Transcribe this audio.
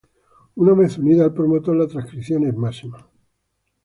Una vez unida al promotor la transcripción es máxima.